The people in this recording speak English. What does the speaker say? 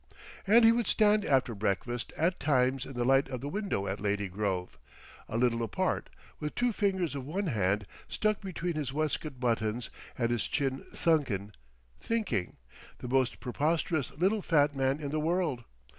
And he would stand after breakfast at times in the light of the window at Lady Grove, a little apart, with two fingers of one hand stuck between his waistcoat buttons and his chin sunken, thinking,—the most preposterous little fat man in the world.